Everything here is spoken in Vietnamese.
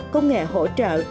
công nghệ hỗ trợ